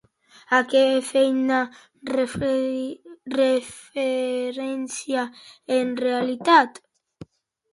A què feia referència en realitat?